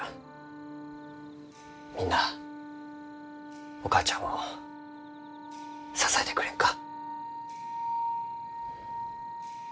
みんなあお母ちゃんを支えてくれんか？